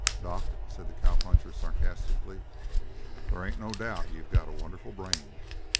"Doc," said the cowpuncher sarcastically, "there ain't no doubt you got a wonderful brain!"